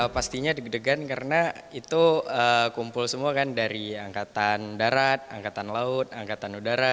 pastinya deg degan karena itu kumpul semua kan dari angkatan darat angkatan laut angkatan udara